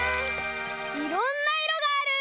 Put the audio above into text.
「いろんないろがある」！